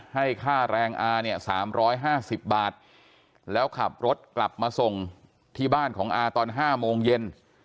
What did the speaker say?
ให้ค่าแรงอาเนี่ย๓๕๐บาทแล้วขับรถกลับมาส่งที่บ้านของอาตอน๕โมงเย็น